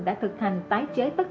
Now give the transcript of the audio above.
đã thực hành tái chế tất cả đồ đạc